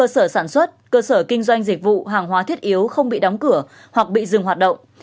sở sản xuất cơ sở kinh doanh dịch vụ hàng hóa thiết yếu không bị đóng cửa hoặc bị dừng hoạt động